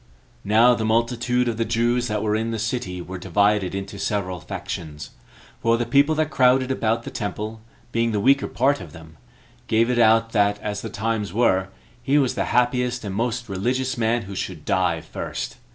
Now the multitude of the Jews that were in the city were divided into several factions; for the people that crowded about the temple, being the weaker part of them, gave it out that, as the times were, he was the happiest and most religious man who should die first.